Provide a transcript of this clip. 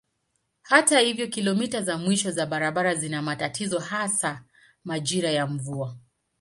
Hata hivyo kilomita za mwisho za barabara zina matatizo hasa majira ya mvua.